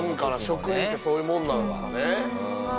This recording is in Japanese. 職人ってそういうもんなんですかね？